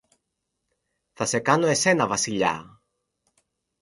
Θα σε κάνω εσένα Βασιλιά!